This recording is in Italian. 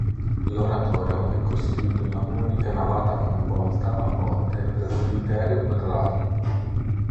L'oratorio è costituito da un'unica navata con volta a botte e presbiterio quadrato.